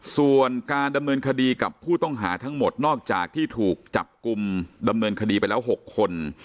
ส่วนการดำเนินคดีกับผู้ต้องหาทั้งหมดนอกจากที่ถูกจับกลุ่มดำเนินคดีไปแล้ว๖คน